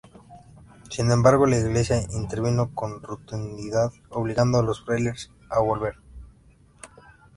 Sin embargo, la iglesia intervino con rotundidad, obligando a los frailes a volver.